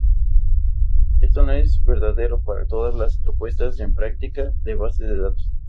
Esto no es verdadero para todas las puestas en práctica de base de datos.